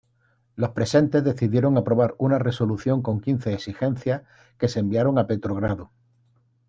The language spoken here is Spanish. Los presentes decidieron aprobar una resolución con quince exigencias que se enviaron a Petrogrado.